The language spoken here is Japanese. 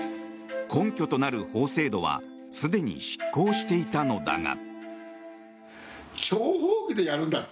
根拠となる法制度はすでに失効していたのだが。